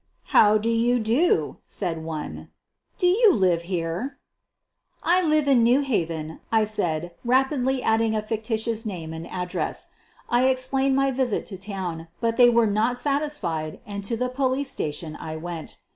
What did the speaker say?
1 ' How do you do 1 '' said one ;'' do you live here !' 9 "I live in New Haven," I said, rapidly adding a fiotitious name and address. I explained my visit to town, but they were not satisfied and to the police station I went.